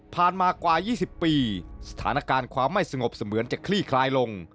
มากว่า๒๐ปีสถานการณ์ความไม่สงบเสมือนจะคลี่คลายลง